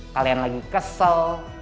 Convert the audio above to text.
kalian lagi kesel